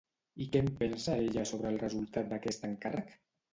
I què en pensa ella sobre el resultat d'aquest encàrrec?